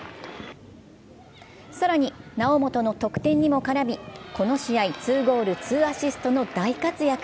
更に猶本の得点にも絡み、この試合、２ゴール２アシストの大活躍。